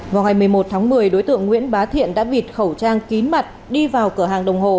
vào ngày một mươi một tháng một mươi đối tượng nguyễn bá thiện đã bịt khẩu trang kín mặt đi vào cửa hàng đồng hồ